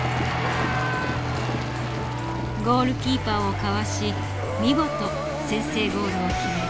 ゴールキーパーをかわし見事先制ゴールを決める。